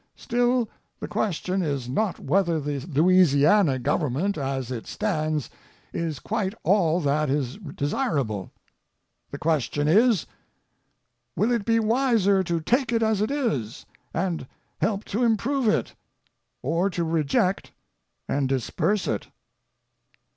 Still the question is not whether the Louisiana government, as it stands, is quite all that is desirable. The question is, "Will it be wiser to take it as it is, and help to improve it; or to reject, and disperse it?"